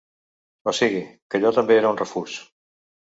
O sigui, que allò també era un refús.